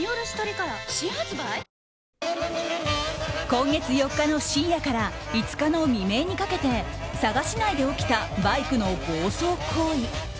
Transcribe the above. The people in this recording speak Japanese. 今月４日の深夜から５日の未明にかけて佐賀市内で起きたバイクの暴走行為。